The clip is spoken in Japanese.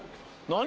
何？